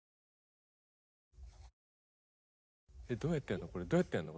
えっどうやってやんの？